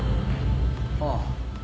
ああ。